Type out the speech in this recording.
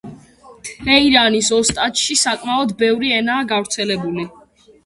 თეირანის ოსტანში საკმაოდ ბევრი ენაა გავრცელებული.